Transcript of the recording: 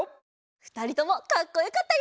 ふたりともかっこよかったよ！